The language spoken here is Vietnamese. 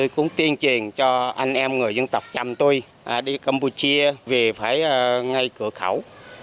cũng tuyên truyền cho anh em người dân tộc chăm tui đi campuchia về phải ngay cửa khẩu